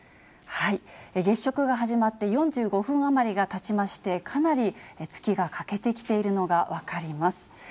月食が始まって４５分余りがたちまして、かなり月が欠けてきているのが分かります。